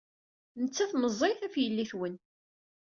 Nettat meẓẓiyet ɣef yelli-twen!